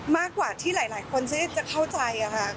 มากกว่าที่หลายคนจะเข้าใจค่ะ